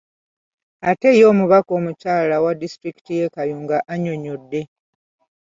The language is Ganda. Ate ye omubaka omukyala owa disitulikiti y’e Kayunga annyonnyodde .